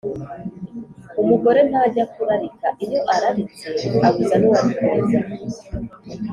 Umugore ntajya kurarika, iyo araritse abuza n’uwari kuza.